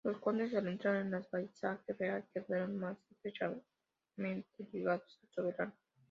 Los condes, al entrar en el vasallaje real, quedaron más estrechamente ligados al soberano.